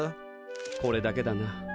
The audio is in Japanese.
これだけだな。